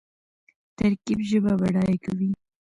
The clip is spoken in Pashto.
ترکیب ژبه بډایه کوي.